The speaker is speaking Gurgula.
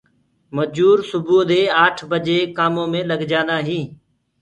مجور سبوو دي آٺ بجي ڪآمو مي لگ جآنٚدآئينٚ